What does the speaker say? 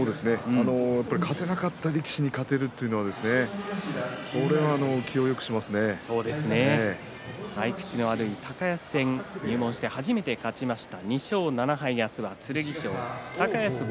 勝てなかった力士に勝てるというのは合い口の悪い高安戦入門してから初めて勝ちました。